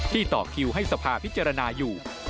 ต่อคิวให้สภาพิจารณาอยู่